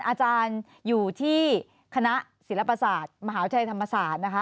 อาจารย์อยู่ที่คณะศิลปศาสตร์มหาวิทยาลัยธรรมศาสตร์นะคะ